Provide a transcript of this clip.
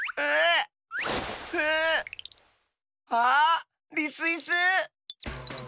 あリスイス！